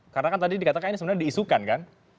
karena kan tadi dikatakan ini sebenarnya diisukan kan